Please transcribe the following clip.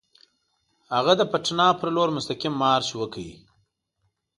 هغه د پټنه پر لور مستقیم مارش وکړي.